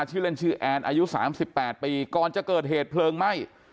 ชื่อเล่นชื่อแอนอายุ๓๘ปีก่อนจะเกิดเหตุเพลิงไหม้